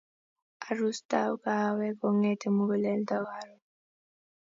Arustab kahawek kongeti muguleldo karon